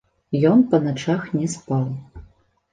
Ён па начах не спаў.